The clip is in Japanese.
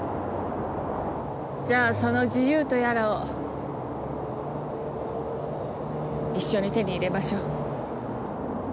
じゃあその自由とやらを一緒に手に入れましょう。